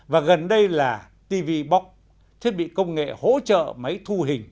và gần đây là tv box thiết bị công nghệ hỗ trợ máy thu hình